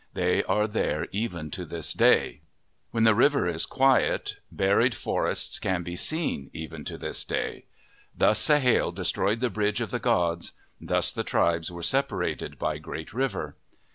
They are there even to this day. 4 8 OF THE PACIFIC NORTHWEST When the water is quiet, buried forests can be seen even to this day. Thus Sahale destroyed the bridge of the gods. Thus the tribes were separated by Great River.